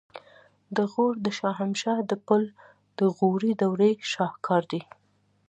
د غور د شاهمشه د پل د غوري دورې شاهکار دی